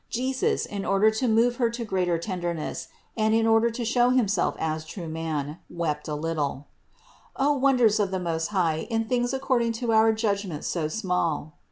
Jesus, in order to move Her to greater tenderness and in order to show Himself as true man, wept a little (O wonders of the Most High in things according to our judgments so small)